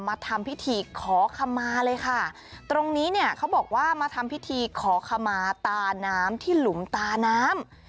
มาทำพิธีขอขมาเลยค่ะตรงนี้เนี่ยเขาบอกว่ามาทำพิธีขอขมาตาน้ำที่หลุมตาน้ำ